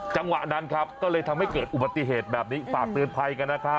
จังหวะนั้นครับก็เลยทำให้เกิดอุบัติเหตุแบบนี้ฝากเตือนภัยกันนะครับ